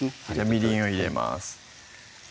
みりんを入れます